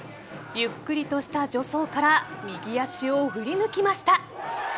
ゆっくりとした助走から右足を振り抜きました。